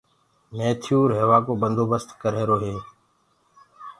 ميٿيو ريهوآ ڪو بندوبست ڪرريهرو هي